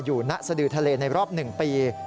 อยู่หน้าสะดือทะเลในรอบ๑ปี